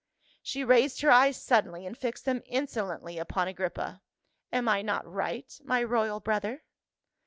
She raised her eyes suddenly and fixed them insolently upon Agrippa. " Am I not right, my royal brother?"